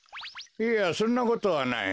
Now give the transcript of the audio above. いやそんなことはない。